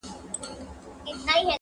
ويل يې چپ سه بېخبره بې دركه -